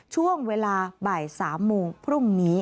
ช่วงเวลาบ่าย๓โมงพรุ่งนี้